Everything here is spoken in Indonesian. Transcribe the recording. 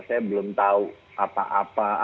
saya belum tahu apa apa